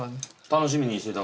楽しみにしてた。